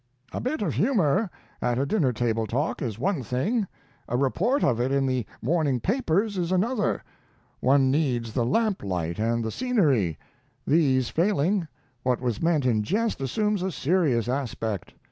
A bit of humor at a dinner table talk is one thing; a report of it in the morning papers is another. One needs the lamplight and the scenery. These failing, what was meant in jest assumes a serious aspect.